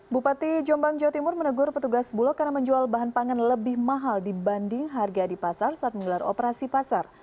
bupati jombang jawa timur menegur petugas bulog karena menjual bahan pangan lebih mahal dibanding harga di pasar saat menggelar operasi pasar